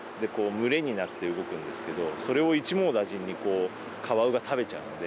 群れになって動くんですけど、それを一網打尽にカワウが食べちゃうんで。